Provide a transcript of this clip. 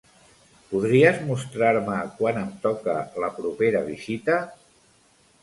Podries mostrar-me quan em toca la propera visita?